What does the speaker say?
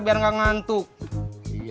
biar gak ngantuknya